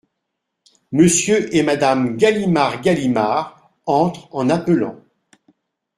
Monsieur et Madame Galimard Galimard , entre en appelant.